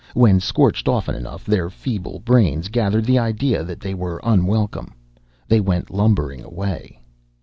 When scorched often enough, their feeble brains gathered the idea that they were unwelcome. They went lumbering away.